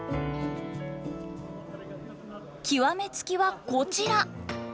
極め付きはこちら！